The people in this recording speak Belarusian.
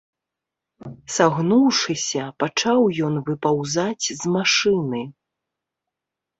Сагнуўшыся, пачаў ён выпаўзаць з машыны.